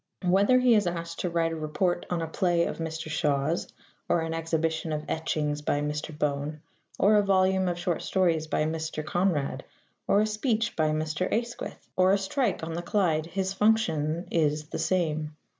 Whether he is asked to write a report on a play of Mr. Shaw's or an exhibition of etchings by Mr. Bone or a volume of short stories by Mr. Conrad or a speech by Mr. Asquith or a strike on the Clyde, his function is the same.